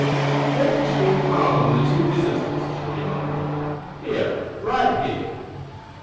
"Where did you leave Harl and the two visitors?" she demanded. "Here. Right here."